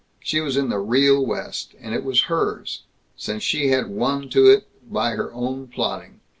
She was in the Real West, and it was hers, since she had won to it by her own plodding.